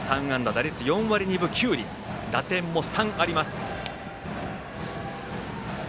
打率は４割２分９厘、打点も３あります。